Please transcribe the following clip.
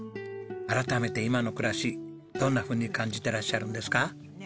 改めて今の暮らしどんなふうに感じてらっしゃるんですか？